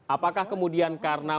apakah kemudian karena